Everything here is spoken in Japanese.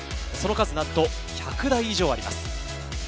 その数なんと１００台以上あります。